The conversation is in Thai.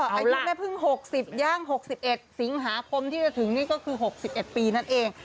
อายุแม่พึ่ง๖๐ย่าง๖๑สิงหาคมที่จะถึงนี่ก็คือ๖๑ปีนั่นเอง